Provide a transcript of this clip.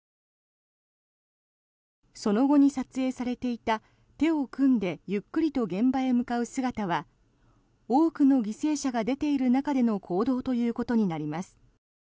その後に撮影されていた手を組んでゆっくりと現場へ向かう姿は多くの犠牲者が出ている中での行動ということになります。